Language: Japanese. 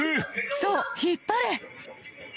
そう、引っ張れ！